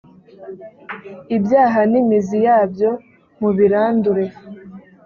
ibyaha nimiziyabyo mubirandure.